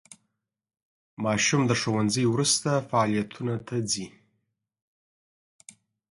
ماشوم د ښوونځي وروسته فعالیتونو ته ځي.